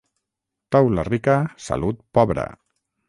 Taula rica, salut pobra.